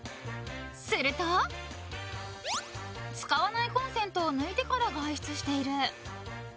すると、使わないコンセントを抜いてから外出している。